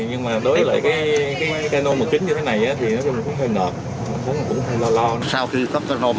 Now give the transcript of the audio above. nhưng mà đối với lại cái cano mà kín như thế này thì nó cũng hơi nợt nó cũng hơi lo lo